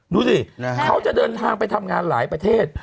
ดูสิเขาจะเดินทางไปทำงานหลายประเทศ